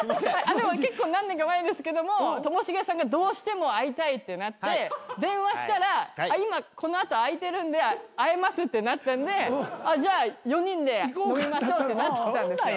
結構何年か前ですけどもともしげさんがどうしても会いたいってなって電話したら「今この後空いてるんで会えます」ってなったんでじゃあ４人で飲みましょうってなったんですよ。